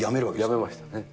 やめましたね。